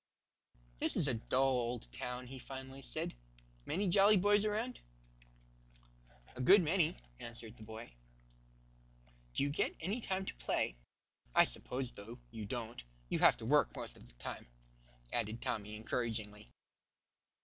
"This is a dull old town," he finally said. "Many jolly boys around?" "A good many," answered the boy. "Do you get any time to play? I suppose though, you don't you have to work most of the time," added Tommy, encouragingly.